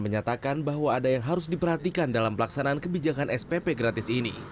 menyatakan bahwa ada yang harus diperhatikan dalam pelaksanaan kebijakan spp gratis ini